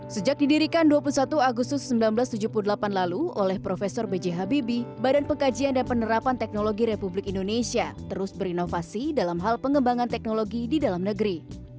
sejak didirikan dua puluh satu agustus seribu sembilan ratus tujuh puluh delapan lalu oleh prof b j habibie badan pengkajian dan penerapan teknologi republik indonesia terus berinovasi dalam hal pengembangan teknologi di dalam negeri